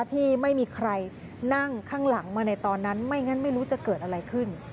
ที่ไม่มีใครนั่งข้างหลังมาในตอนนั้นไม่งั้นไม่รู้จะเกิดอะไรขึ้น